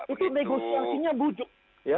itu negosiasinya bujuk